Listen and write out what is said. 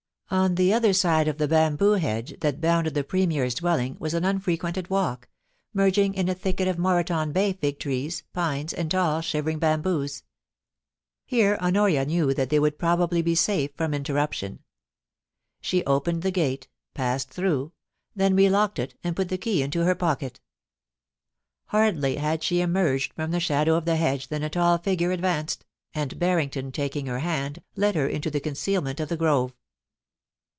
On the other side of the bamboo hedge that bounded the Premier's dwelling was an unfrequented walk, merging in a thicket of Moreton Bay fig trees, pines, and tall, shivering bamboos. Here Honoria knew that they would probably be safe from interruption. She opened the gate — passed through ; then relocked it, and put the key into her pocket. Hardly had she emerged from the shadow of the hedge than a tall figure advanced, and Barrington, taking her hand, led her into the conceal ment of the grove.